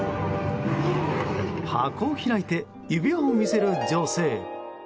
箱を開いて指輪を見せる女性。